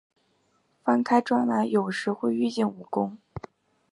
翻开断砖来，有时会遇见蜈蚣